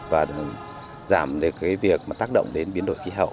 và giảm được cái việc mà tác động đến biến đổi khí hậu